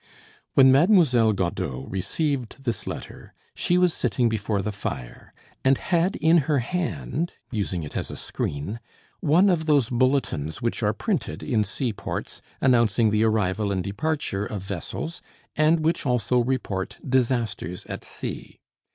When Mademoiselle Godeau received this letter she was sitting before the fire, and had in her hand, using it as a screen, one of those bulletins which are printed in seaports, announcing the arrival and departure of vessels, and which also report disasters at sea.